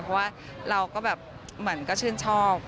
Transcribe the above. เพราะว่าเราก็แบบเหมือนก็ชื่นชอบ